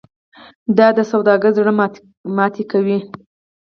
دا سوداګر زړه ماتې کوي.